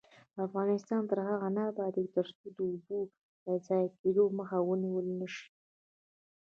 افغانستان تر هغو نه ابادیږي، ترڅو د اوبو د ضایع کیدو مخه ونیول نشي.